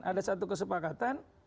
ada satu kesepakatan